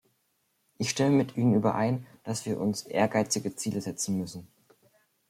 Ich stimme mit Ihnen überein, dass wir uns ehrgeizige Ziele setzen müssen.